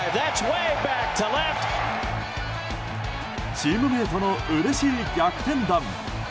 チームメートのうれしい逆転弾。